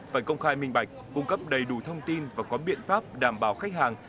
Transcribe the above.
phải công khai minh bạch cung cấp đầy đủ thông tin và có biện pháp đảm bảo khách hàng